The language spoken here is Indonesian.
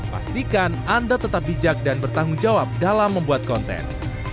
pastikan anda tetap bijak dan bertanggung jawab dalam membuat konten